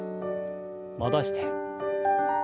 戻して。